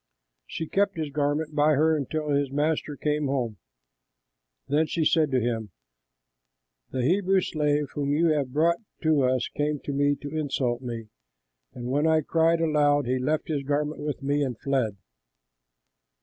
She kept his garment by her until his master came home; then she said to him, "The Hebrew slave whom you have brought to us came to me to insult me; and when I cried aloud, he left his garment with me and fled."